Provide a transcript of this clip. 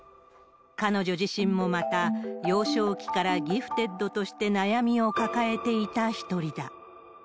彼女自身もまた、幼少期からギフテッドとして悩みを抱えていた一人だ。